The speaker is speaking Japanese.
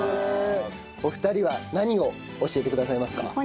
お二人は何を教えてくださいますか？